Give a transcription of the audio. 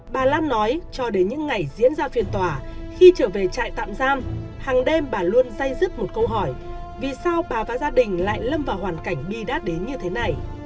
bà lam nói cho đến những ngày diễn ra phiên tòa khi trở về trại tạm giam hàng đêm bà luôn dây dứt một câu hỏi vì sao bà và gia đình lại lâm vào hoàn cảnh bi đát đến như thế này